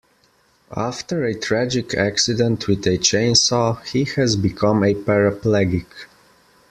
After a tragic accident with a chainsaw he has become a paraplegic.